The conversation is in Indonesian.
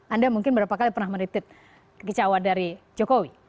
anda mungkin berapa kali pernah meneritit kicauan dari jokowi